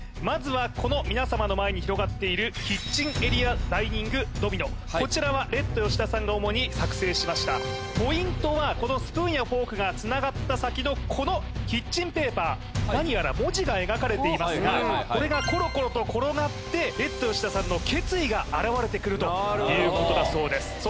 まずはこの皆様の前に広がっているキッチンエリアダイニングドミノこちらはレッド吉田さんが主に作製しましたポイントはスプーンやフォークがつながった先のこのキッチンペーパー何やら文字が描かれていますがこれがコロコロと転がってレッド吉田さんの決意が現れてくるということだそうです